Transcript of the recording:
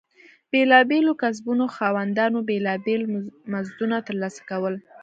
بېلابېلو کسبونو خاوندانو بېلابېل مزدونه ترلاسه کول.